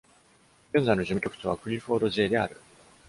現在の事務局長はクリフォード J である。